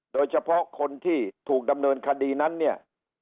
โดยเฉพาะคนที่ถูกดำเนินคดีนั้นเนี่ย